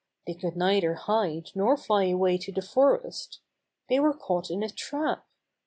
They could neither hide nor fly away to the forest. They were caught in a trap.